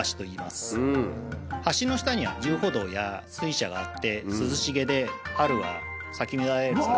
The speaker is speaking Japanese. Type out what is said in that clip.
橋の下には遊歩道や水車があって涼しげで春は咲き乱れる桜。